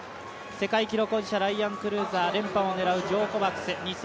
世界記録保持者ライアン・クルーザー連覇を狙うジョー・コバクス。